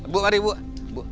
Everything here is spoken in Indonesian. bu mari bu